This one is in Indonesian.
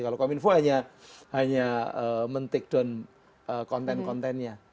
kalau kominfo hanya men take down konten kontennya